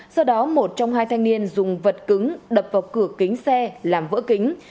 sau đó một trong hai thanh niên dùng vật cứng đập vào cửa kính xe làm vỡ kính